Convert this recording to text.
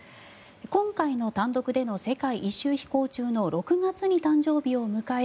今回の単独での世界一周飛行中の６月に誕生日を迎え